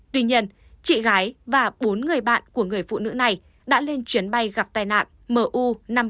tuy nhiên chị gái và bốn người bạn của người phụ nữ này đã lên chuyến bay gặp tai nạn mu năm nghìn bảy trăm ba mươi năm